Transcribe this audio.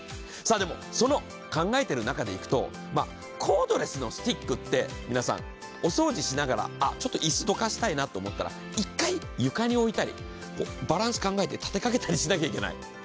さあでもその考えてる中でいくとコードレスのスティックって皆さんお掃除しながらちょっとイスどかしたいなと思ったら一回床に置いたりバランス考えて立てかけたりしなきゃいけない。